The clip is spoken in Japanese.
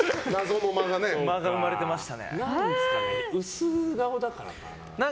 薄顔だからかな。